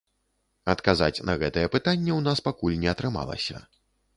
Адказаць на гэтае пытанне ў нас пакуль не атрымалася.